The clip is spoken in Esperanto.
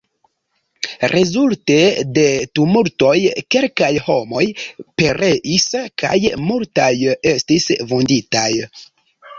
Rezulte de tumultoj kelkaj homoj pereis kaj multaj estis vunditaj.